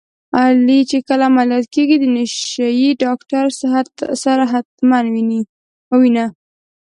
کله چي عمليات کيږې د نشې ډاکتر سره حتما ووينه.